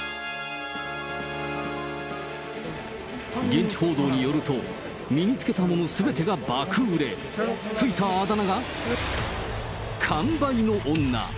現地報道によると、身につけたものすべてが爆売れ、ついたあだ名が、完売の女。